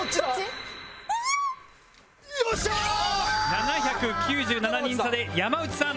７９７人差で山内さん